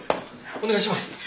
お願いします。